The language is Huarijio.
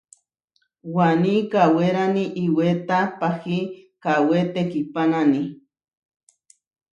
Waní kawérani iʼwéta pahí kawé tekihpánani.